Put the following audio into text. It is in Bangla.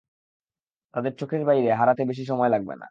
তাদের চোখের বাইরে হারাতে বেশি সময় লাগবে না।